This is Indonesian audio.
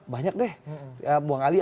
banyak deh buang alih